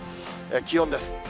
気温です。